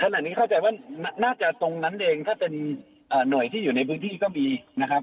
ขณะนี้เข้าใจว่าน่าจะตรงนั้นเองถ้าเป็นหน่วยที่อยู่ในพื้นที่ก็มีนะครับ